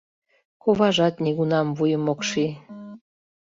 Коважат нигунам вуйым ок ший.